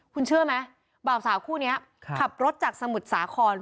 คุณเชื่อไหมบ่าวสาวคู่นี้ขับรถจากสมุทรสาคร